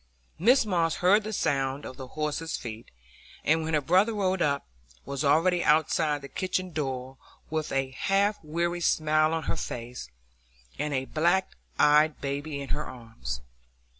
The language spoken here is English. Mrs Moss heard the sound of the horse's feet, and, when her brother rode up, was already outside the kitchen door, with a half weary smile on her face, and a black eyed baby in her arms.